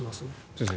先生。